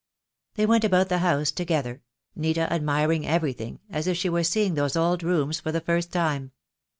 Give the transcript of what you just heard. They went about the house together, Nita admiring everything, as if she were seeing those old rooms for the first time.